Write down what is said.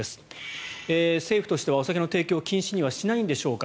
政府としてはお酒の提供は禁止にはしないんでしょうか？